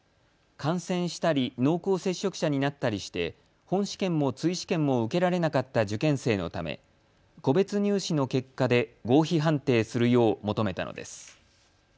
感染したり濃厚接触者になったりして本試験も追試験も受けられなかった受験生のため個別入試の結果で合否判定するよう求めたのです。